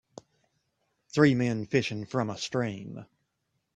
Three men fishing from a stream.